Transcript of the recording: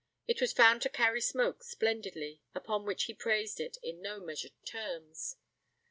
It was found to carry smoke splendidly, upon which he praised it in no measured terms.